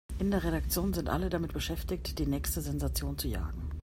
In der Redaktion sind alle damit beschäftigt, die nächste Sensation zu jagen.